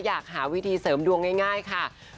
อยากหาวิธีเสริมดวงง่ายค่ะ